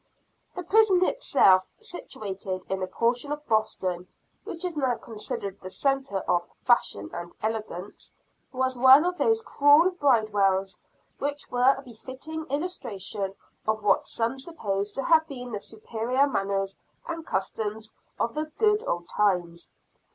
The prison itself, situated in a portion of Boston which is now considered the centre of fashion and elegance, was one of those cruel Bridewells, which were a befitting illustration of what some suppose to have been the superior manners and customs of the "good old times."